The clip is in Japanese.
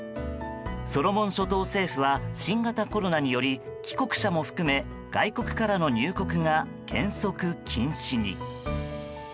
ソロモン諸島政府は新型コロナにより帰国者も含め外国からの入国が原則禁止に。